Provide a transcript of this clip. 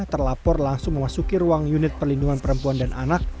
terlapor langsung memasuki ruang unit perlindungan perempuan dan anak